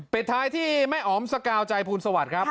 เกรดท้ายที่แม่ออ๋อมสกาลใจภูมิสวรรษครับ